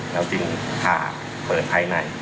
เราจึงผ่าเปิดภายใน